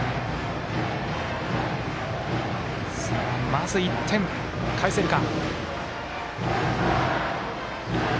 まず１点、返せるか。